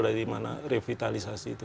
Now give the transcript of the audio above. dari mana revitalisasi itu